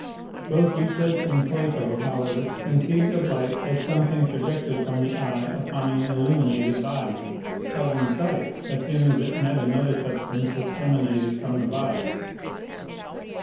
Both Euclid and Plato, however, conceived of light as a. something projected from the eye upon an illuminated body, causing sight as soon as it met another substance, which emanated from the body.